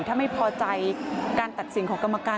ถ้าไม่พอใจการตัดสินของกรรมการ